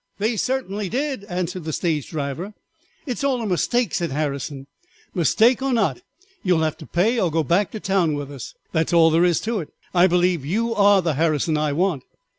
"They certainly did," answered the stage driver. "It is all a mistake," said Harrison. "Mistake or not, you will have to pay or go back to town with us; that is all there is to it. I believe you are the Harrison I want."